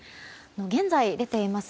現在、出ています